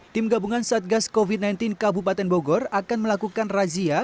tim gabungan satgas covid sembilan belas kabupaten bogor akan melakukan razia